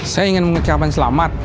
saya ingin mengucapkan selamat